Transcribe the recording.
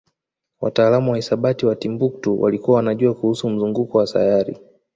wataalamu wa hisabati wa Timbuktu walikuwa wanajua kuhusu mzunguko wa sayari